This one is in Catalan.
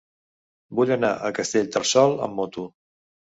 Vull anar a Castellterçol amb moto.